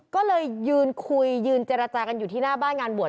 ก็เลยยืนคุยยืนเจรจากันอยู่ที่หน้าบ้านงานบวช